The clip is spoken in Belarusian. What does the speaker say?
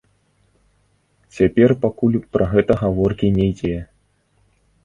Цяпер пакуль пра гэта гаворкі не ідзе.